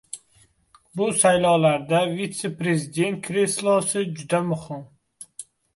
Bu saylovlarda Vitse-prezident kreslosi juda muhim.